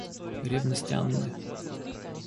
Ревность Анны.